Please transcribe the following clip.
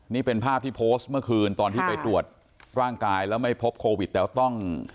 นี่เป็นภาพที่โพสต์เมื่อคืนตอนที่ไปตรวจร่างกายแล้วไม่พบโควิดแต่ว่าต้อง